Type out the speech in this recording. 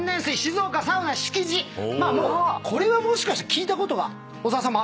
これもしかして聞いたことが小澤さんもある？